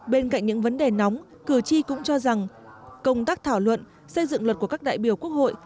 bên cạnh những vấn đề nóng cử tri cũng cho rằng công tác thảo luận xây dựng luật của các đại biểu quốc hội